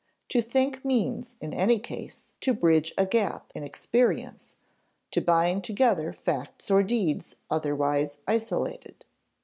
To think means, in any case, to bridge a gap in experience, to bind together facts or deeds otherwise isolated.